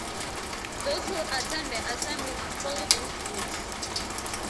Those who attend the assembly must follow these rules.